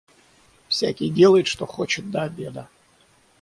Всякий делает что хочет до обеда.